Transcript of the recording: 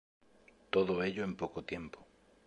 Todo ello en poco tiempo.